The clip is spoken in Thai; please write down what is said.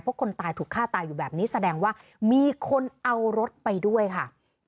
เพราะคนตายถูกฆ่าตายอยู่แบบนี้แสดงว่ามีคนเอารถไปด้วยค่ะ